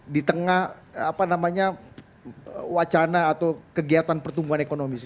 di tengah apa namanya wacana atau kegiatan pertumbuhan ekonomi